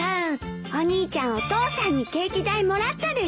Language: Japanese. お兄ちゃんお父さんにケーキ代もらったでしょ？